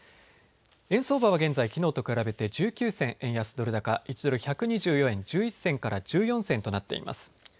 円相場は現在、きのうと比べて１９銭円安ドル高、１ドル１２４円１１銭から１４銭となっています。